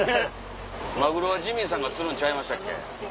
マグロはジミーさんが釣るんちゃいましたっけ？